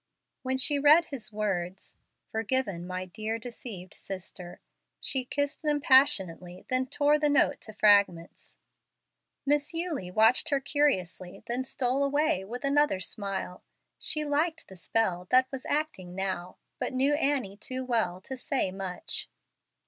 Then she read his words, "Forgiven, my dear, deceived sister." She kissed them passionately, then tore the note to fragments. Miss Eulie watched her curiously, then stole away with another smile. She liked the spell that was acting now, but knew Annie too well to say much.